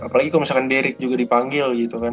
apalagi kalau misalkan derik juga dipanggil gitu kan